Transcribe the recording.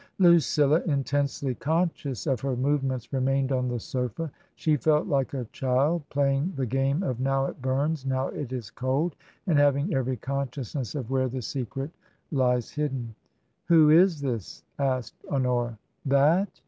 Lucilla, intensely conscious of her movements, re mained on the sofa. She felt like a child playing the game of " Now it bums — now it is cold !*' and having every consciousness of where the secret lies hidden. "Who is this?" asked Honora. "That?"